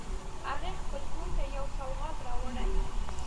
هغې خپل زوی ته یو سوغات راوړی